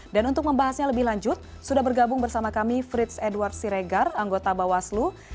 untuk membahasnya lebih lanjut sudah bergabung bersama kami frits edward siregar anggota bawaslu